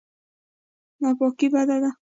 ناپاکي بده ده.